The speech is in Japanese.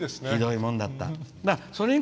ひどいもんだったね。